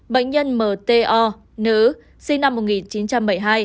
một bệnh nhân m t o nữ sinh năm một nghìn chín trăm bảy mươi hai